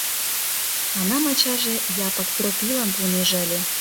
Анам ачаже Япык Тропийлан пуынеже ыле.